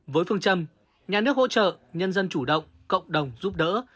với phương châm nhà nước hỗ trợ nhân dân chủ động cộng đồng giúp đỡ